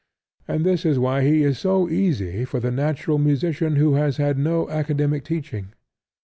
And this is why he is so easy for the natural musician who has had no academic teaching.